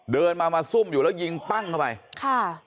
เดินมามาซุ่มอยู่แล้วยิงปั้งเข้าไปค่ะ